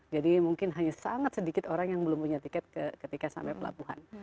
jadi mungkin hanya sangat sedikit orang yang belum punya tiket ketika sampai pelabuhan